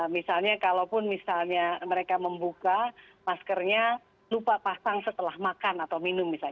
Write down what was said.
misalnya kalaupun misalnya mereka membuka maskernya lupa pasang setelah makan atau minum misalnya